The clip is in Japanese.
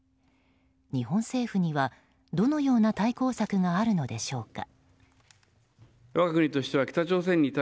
日本政府にはどのような対抗策があるのでしょうか。